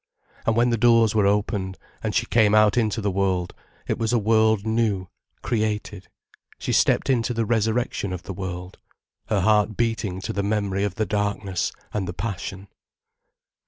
And when the doors were opened, and she came out into the world, it was a world new created, she stepped into the resurrection of the world, her heart beating to the memory of the darkness and the Passion.